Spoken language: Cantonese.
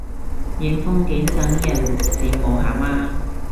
影風景等人羨慕下嘛